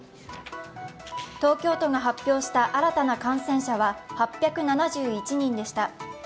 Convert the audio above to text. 東京都が発表した新たな感染者は８７１人でした。